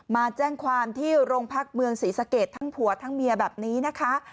มาแจ้งความที่โรงพักเมืองศรีสะเกดทั้งผัวทั้งเมียแบบนี้นะคะ